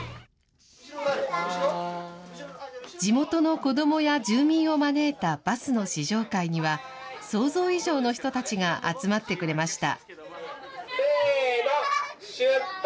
地元の子どもや住民を招いたバスの試乗会には、想像以上の人たちが集まってくれました。